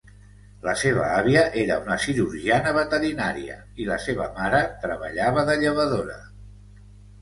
La seva àvia era una cirurgiana veterinària, i la seva mare treballava de llevadora.